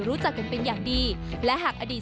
รู้จักกันเป็นอย่างดีและหากอดีต